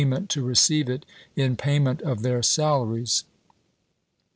ment to receive it in payment of their salaries.